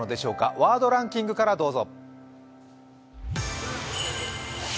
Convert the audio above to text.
ワードランキングからどうぞ。